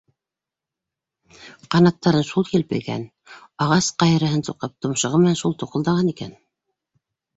Ҡанаттарын шул елпегән, ағас ҡайырыһын суҡып, томшоғо менән шул туҡылдаған икән!